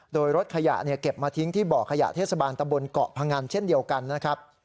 โดยรถขยะเก็บมาทิ้งที่บ่อขยะเทศบาลตะบนเกาะพงันเช่นเดียวกันนะครับ